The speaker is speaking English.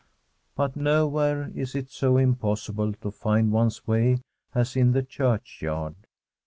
But nowhere is it so impossible to find one's way as in the churchyard.